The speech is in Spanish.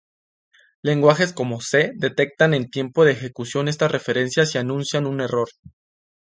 Lenguajes como C detectan en tiempo de ejecución estas referencias y anuncian un error.